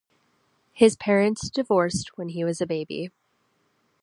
His parents divorced when he was a baby.